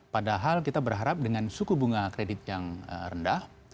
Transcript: padahal kita berharap dengan suku bunga kredit yang rendah